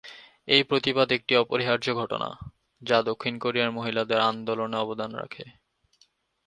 এই প্রতিবাদ একটি অপরিহার্য ঘটনা, যা দক্ষিণ কোরিয়ায় মহিলাদের আন্দোলনে অবদান রাখে।